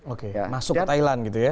oke masuk thailand gitu ya